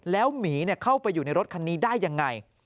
แล้วหมีเข้าไปอยู่ในรถคันนี้ได้ยังไง